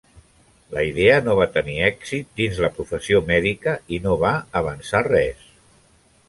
La idea no va tenir èxit dins la professió mèdica i no va avançar res.